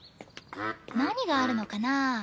何があるのかなぁ？